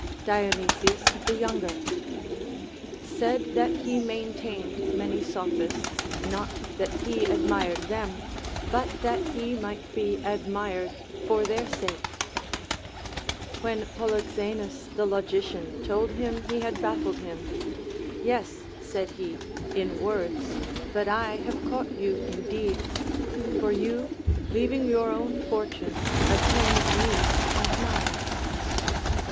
Dionysius the Younger said that he maintained many Sophists ; not that he admired them, but that he might be admired for their sake. AVhen Polyxenus the logician told him he had baffled him ; Yes, said he, in words, but I have caught you in deeds ; for you, leaving your own fortune, AND GREAT COMMANDERS. 19;^ attend me and mine.